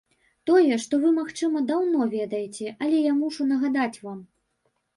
Тое, што вы, магчыма, даўно ведаеце, але я мушу нагадаць вам.